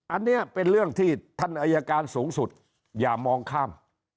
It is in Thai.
อันนี้เป็นเรื่องที่ท่านอายการสูงสุดอย่ามองข้าม